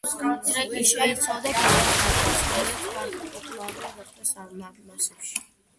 ტრეკი შეიცავდა გიტარის აკორდს, რომელიც ფართოდ პოპულარული გახდა მასებში.